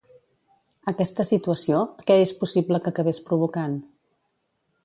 Aquesta situació, què és possible que acabés provocant?